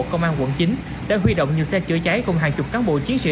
công an quận chín đã huy động nhiều xe chữa cháy cùng hàng chục cán bộ chiến sĩ